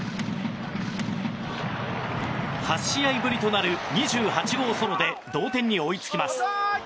８試合ぶりとなる２８号ソロで同点に追いつきます。